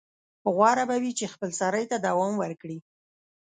غوره به وي چې خپلسرۍ ته دوام ورکړي.